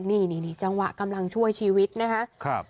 นี่จังหวะกำลังช่วยชีวิตนะคะ